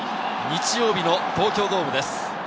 日曜日の東京ドームです。